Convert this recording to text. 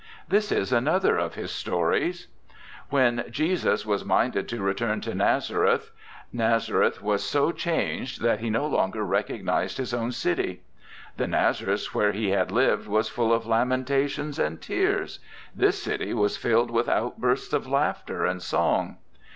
This is another of his stories: 'When Jesus was minded to return to Nazareth, Nazareth was so changed that He no longer recognised His own city. The Nazareth where He had lived was full of lamentations and tears; this city was filled with outbursts of laughter and song.